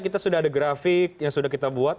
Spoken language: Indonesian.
kita sudah ada grafik yang sudah kita buat